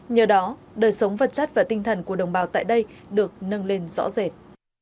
nhờ đó đời sống vật chất và tinh thần của đồng bào tại đây được nâng lên rõ rệt